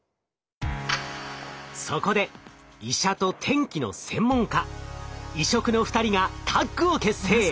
そこで医者と天気の専門家異色の２人がタッグを結成！